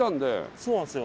そうなんですよ。